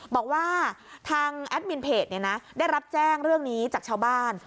บอกว่าทางแอดมินเพจได้รับแจ้งเรื่องนี้จากชาวบ้าน